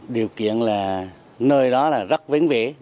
điều kiện là nơi đó là rất vến vỉ